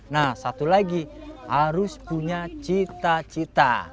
nah satu lagi harus punya cita cita